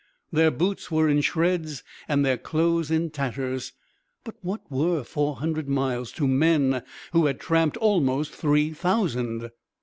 Their boots were in shreds and their clothes in tatters; but what were four hundred miles to men who had tramped almost three thousand?